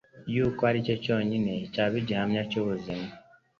yuko aricyo cyonyine cyaba igihamya cy'ubumana